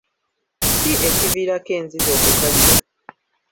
Ki ekiviirako enzizi okukalira?